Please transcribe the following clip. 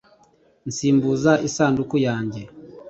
Nsimbuza isanduku yanjye